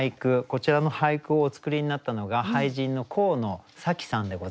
こちらの俳句をお作りになったのが俳人の神野紗希さんでございます。